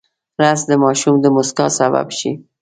رس د ماشوم د موسکا سبب شي